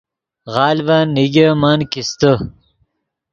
غلڤن نیگے من کیستے